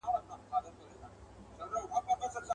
چي بيزو او بيزو وان پر راښكاره سول.